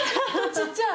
ちっちゃい。